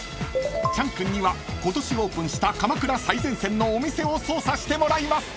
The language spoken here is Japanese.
［チャン君には今年オープンした鎌倉最前線のお店を捜査してもらいます］